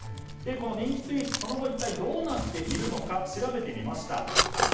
この人気スイーツその後一体どうなっているのか調べてみました。